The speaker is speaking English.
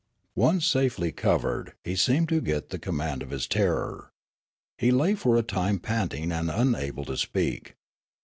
Once safely covered, he seemed to get the command of his terror. He lay for a time panting and unable to speak.